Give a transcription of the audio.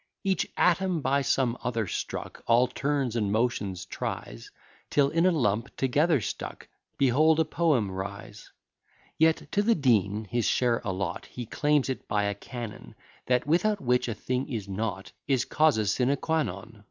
Each atom by some other struck, All turns and motions tries; Till in a lump together stuck, Behold a poem rise: Yet to the Dean his share allot; He claims it by a canon; That without which a thing is not, Is causa sine quâ non.